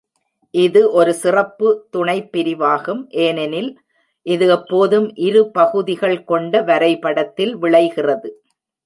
இது ஒரு சிறப்பு துணைப்பிரிவாகும், ஏனெனில் இது எப்போதும் இருபகுதிகள் கொண்ட வரைபடத்தில் விளைகிறது.